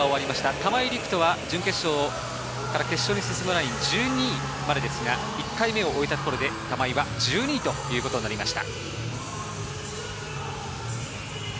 玉井陸斗は準決勝から決勝に進むのは１２人までですが、１回目を終えたところで、玉井は１２位になりました。